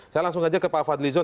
saya langsung saja ke pak fadlizon